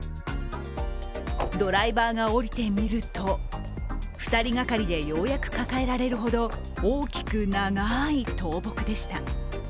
ドライバーが降りてみると、２人がかりでようやく抱えられるほど大きく、長い倒木でした。